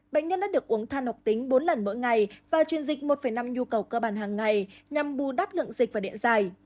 bệnh nhân đã được uống than học tính bốn lần mỗi ngày và truyền dịch một năm nhu cầu cơ bản hàng ngày nhằm bù đắp lượng dịch và điện dài